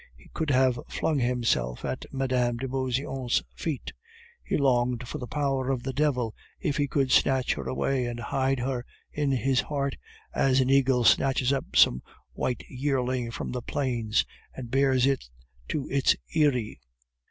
He could have flung himself at Mme. de Beauseant's feet; he longed for the power of the devil if he could snatch her away and hide her in his heart, as an eagle snatches up some white yearling from the plains and bears it to its eyrie.